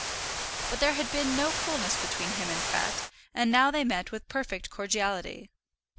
But there had been no coolness between him and Pratt, and now they met with perfect cordiality.